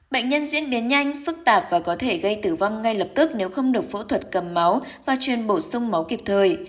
bệnh nhân diễn biến nhanh phức tạp và có thể gây tử vong ngay lập tức nếu không được phẫu thuật cầm máu và truyền bổ sung máu kịp thời